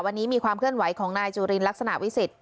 วันนี้มีความเคลื่อนไหวของนายจุลินลักษณะวิสิทธ